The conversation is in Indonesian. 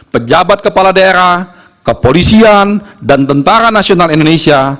pejabat kepala daerah kepolisian dan tentara nasional indonesia